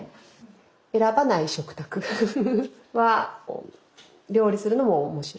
選ばない食卓は料理するのも面白いです。